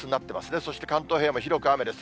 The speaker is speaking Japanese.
そして関東平野も広く雨です。